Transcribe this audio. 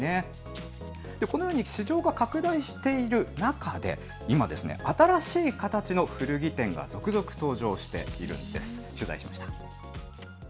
このように市場が拡大している中で、今、新しい形の古着店が続々登場しているんです。